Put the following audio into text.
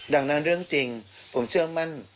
ดังนั้นเรื่องจริงผมเชื่อมั่น